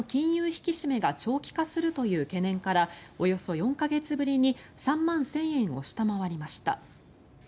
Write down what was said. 引き締めが長期化するという懸念からおよそ４か月ぶりに３万１０００円を下回りました。